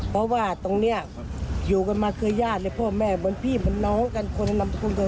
เพราะว่าตรงเนี้ยอยู่กันมาเคยย่านเลยพ่อแม่เหมือนพี่เหมือนน้องกันโคลนำคนเธอ